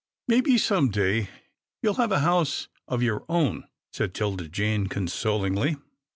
" Maybe, some day, you will have a house of your own," said 'Tilda Jane consolingly.